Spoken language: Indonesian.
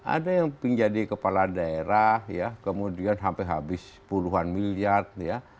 ada yang menjadi kepala daerah ya kemudian sampai habis puluhan miliar ya